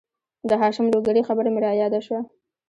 د هاشم لوګرې خبره مې را یاده شوه